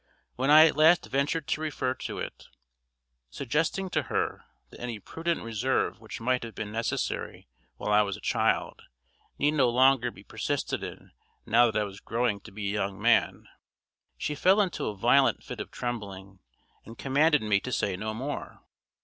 When I at last ventured to refer to it, suggesting to her that any prudent reserve which might have been necessary while I was a child, need no longer be persisted in now that I was growing to be a young man, she fell into a violent fit of trembling, and commanded me to say no more.